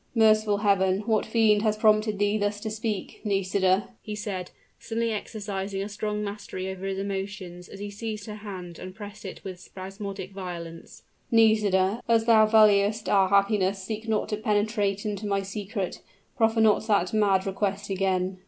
"Merciful Heaven! what fiend has prompted thee thus to speak! Nisida," he said, suddenly exercising a strong mastery over his emotions, as he seized her hand and pressed it with spasmodic violence "Nisida, as thou valuest our happiness seek not to penetrate into my secret proffer not that mad request again!"